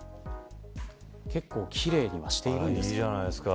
結構、奇麗にはしているんです。